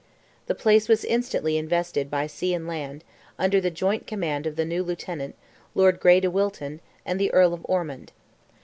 The place was instantly invested by sea and land, under the joint command of the new Lieutenant, Lord Grey de Wilton, and the Earl of Ormond.